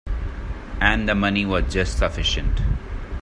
And the money was just sufficient.